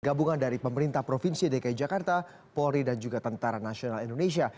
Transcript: gabungan dari pemerintah provinsi dki jakarta polri dan juga tentara nasional indonesia